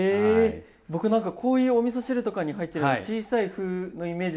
僕何かこういうおみそ汁とかに入ってる小さい麩のイメージしかなかったんで。